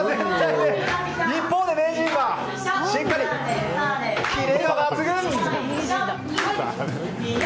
一方で名人はしっかりキレが抜群！